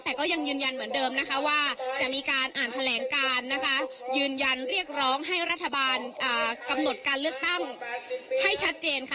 แต่ก็ยังยืนยันเหมือนเดิมนะคะว่าจะมีการอ่านแถลงการนะคะยืนยันเรียกร้องให้รัฐบาลกำหนดการเลือกตั้งให้ชัดเจนค่ะ